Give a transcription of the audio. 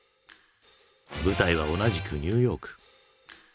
舞台は同じくニューヨーク。